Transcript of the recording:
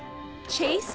チェイス。